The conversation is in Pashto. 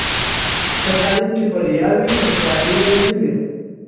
که تعلیم کې بریا وي، نو تیارې نه وي.